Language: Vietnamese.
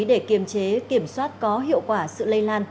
để kiểm soát có hiệu quả sự lây lan